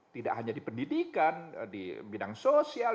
tidak hanya di pendidikan di bidang sosial